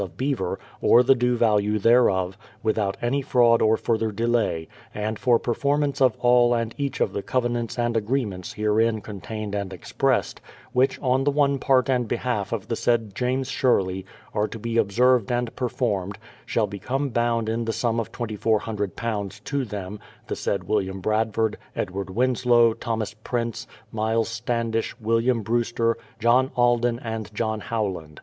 of beaver, or the due value thereof, without any fraud or further delay; and for performance of all and each of the covenants and agreements herein contained and expressed, which on the one part and behalf of the said James Sherlcy are to be observed and performed, shall become bound in the sum of £2400 to them, the said William Brad ford, Edward Winslow, Thomas Prince, Myles Standish, William Brewster, John Alden, and John Howland.